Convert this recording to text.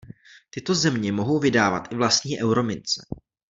Tyto země mohou vydávat i vlastní euromince.